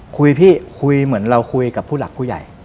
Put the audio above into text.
คุยพี่คุยเหมือนเราคุยกับผู้หลักผู้ใหญ่